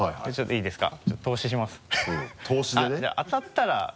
いいですか？